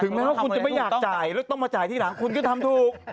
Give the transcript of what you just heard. แม้ว่าคุณจะไม่อยากจ่ายแล้วต้องมาจ่ายทีหลังคุณก็ทำถูก